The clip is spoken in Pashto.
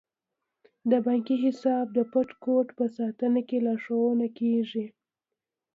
د بانکي حساب د پټ کوډ په ساتنه کې لارښوونه کیږي.